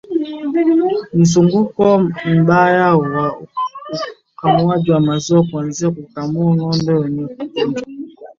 Mzunguko mbaya wa ukamuaji maziwa kuanza kukamua ngombe wenye ugonjwa